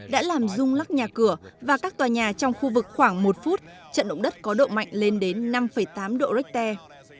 đã làm rung lắc nhà cửa và các tòa nhà trong khu vực khoảng một phút trận động đất có độ mạnh lên đến năm tám độ richter